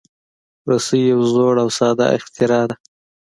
رسۍ یو زوړ او ساده اختراع ده.